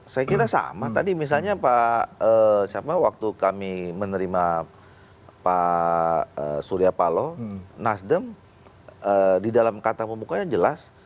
saya kira sama tadi misalnya pak siapa waktu kami menerima pak surya paloh nasdem di dalam kata pembukanya jelas